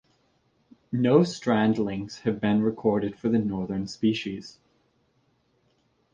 No strandings have been recorded for the northern species.